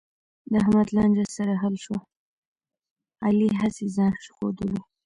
د احمد لانجه سره حل شوه، علي هسې ځآن ښودلو.